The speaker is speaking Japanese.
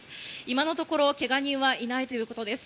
今のところけが人はいないということです。